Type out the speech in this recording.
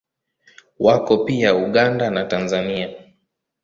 Wako pia Uganda na Tanzania.